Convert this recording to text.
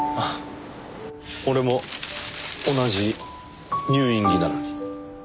俺も同じ入院着なのに。